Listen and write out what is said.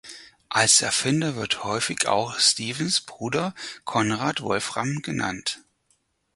Als Erfinder wird häufig auch Stephens Bruder Conrad Wolfram genannt.